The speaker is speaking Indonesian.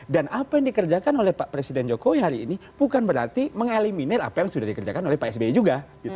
dari pak presiden jokowi hari ini bukan berarti mengeliminir apa yang sudah dikerjakan oleh pak sbi juga